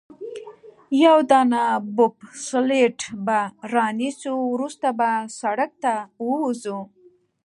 یوه دانه بوبسلیډ به رانیسو، وروسته به سړک ته ووځو.